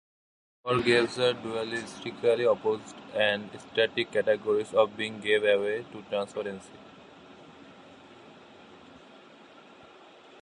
For Gebser, dualistically opposed and "static" categories of Being gave way to transparency.